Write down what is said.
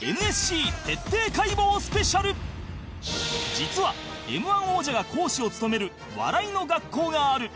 実は Ｍ−１ 王者が講師を務める笑いの学校がある